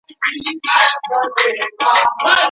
مقابل اړخ دوی د ځانونو لپاره وړ وګڼل.